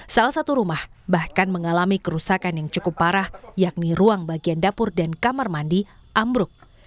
salah satu rumah bahkan mengalami kerusakan yang cukup parah yakni ruang bagian dapur dan kamar mandi ambruk